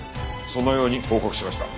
そのように報告しました。